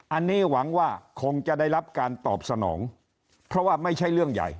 อันนี้หวังว่าคงจะได้รับการตอบสนองเพราะว่าไม่ใช่เรื่องใหญ่